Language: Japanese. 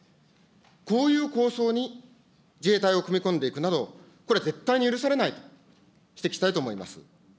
こういう構想に自衛隊を組み込んでいくなど、これは絶対に許されないと指摘したいと思います。